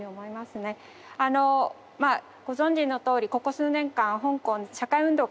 まあご存じのとおりここ数年間香港社会運動